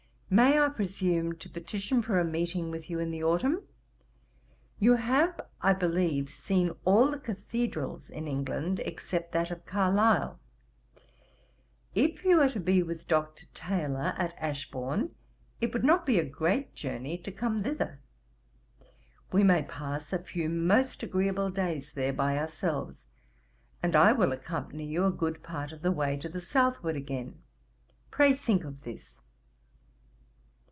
May I presume to petition for a meeting with you in the autumn? You have, I believe, seen all the cathedrals in England, except that of Carlisle. If you are to be with Dr. Taylor, at Ashbourne, it would not be a great journey to come thither. We may pass a few most agreeable days there by ourselves, and I will accompany you a good part of the way to the southward again. Pray think of this.